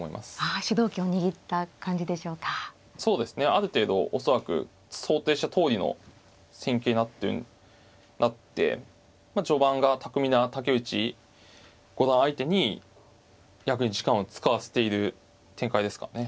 ある程度恐らく想定したとおりの戦型になって序盤が巧みな竹内五段相手に逆に時間を使わせている展開ですかね